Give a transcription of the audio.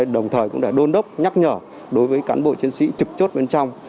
đồng thời cũng đã đôn đốc nhắc nhở đối với cán bộ chiến sĩ trực chốt bên trong